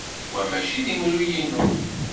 Wa maci d imru-inu.